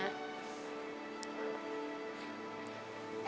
แอลคือฮิต